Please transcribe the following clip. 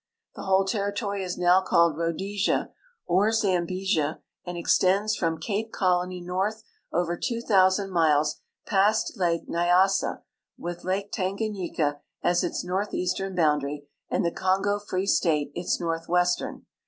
The whole territoiy is now called Rhodesia, or Zam besia, and extends from Cape Colony north over two thousand miles past lake Nyassa, with lake Tanganyika as its northeastern boundary and the Kongo Free State its northwestern.